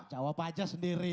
jawab aja sendiri